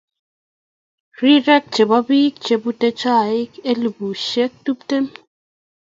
Rirek che bo biik chebute chaik elubushe tiptem.